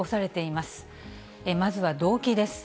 まずは動機です。